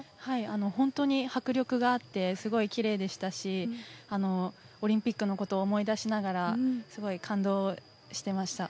ほんとに迫力があってすごい、きれいでしたし、オリンピックのことを思い出しながら、すごい感動してました。